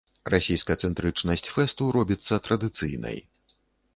Расійскацэнтрычнасць фэсту робіцца традыцыйнай.